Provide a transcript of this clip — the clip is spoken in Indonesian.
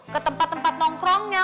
ke tempat tempat nongkrongnya